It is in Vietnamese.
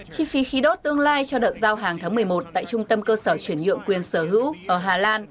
chi phí khí đốt tương lai cho đợt giao hàng tháng một mươi một tại trung tâm cơ sở chuyển nhượng quyền sở hữu ở hà lan